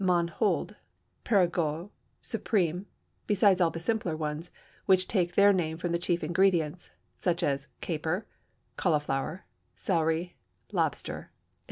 Ménehould, Périgueux, Suprême, besides all the simpler ones, which take their name from the chief ingredient, such as caper, cauliflower, celery, lobster, etc.